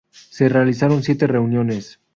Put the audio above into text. Se realizaron siete reuniones.